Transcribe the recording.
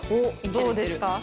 どうですか？